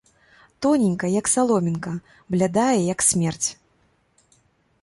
Тоненькая, як саломінка, блядая, як смерць!